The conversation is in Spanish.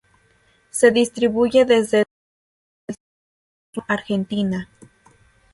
Se distribuye desde el sur de Estados Unidos a Argentina.